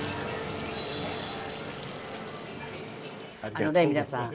あのね皆さん。